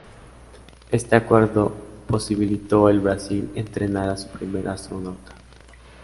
Este acuerdo posibilitó el Brasil entrenar a su primer astronauta.